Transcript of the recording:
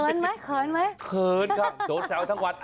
เคิร์นไหมเคิร์นไหมเคิร์นค่ะโดดแซวทั้งวัน